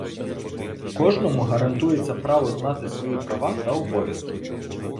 Кожному гарантується право знати свої права і обов'язки.